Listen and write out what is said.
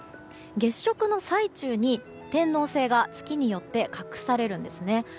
月食の最中に天王星が月によって隠されるんですね。